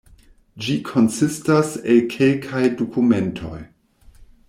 Ĝi konsistas el kelkaj dokumentoj.